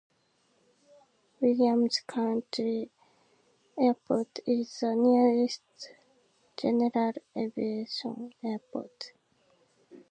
Williams County Airport is the nearest general aviation airport.